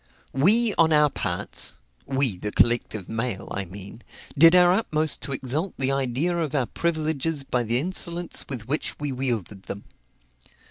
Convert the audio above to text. We, on our parts, (we, the collective mail, I mean,) did our utmost to exalt the idea of our privileges by the insolence with which we wielded them.